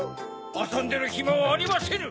あそんでるひまはありませぬ。